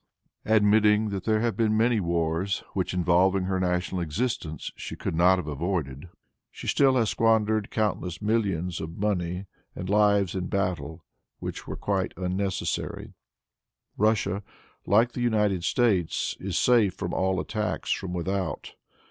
Admitting that there have been many wars which, involving her national existence, she could not have avoided, still she has squandered countless millions of money and of lives in battles which were quite unnecessary. Russia, like the United States, is safe from all attacks from without.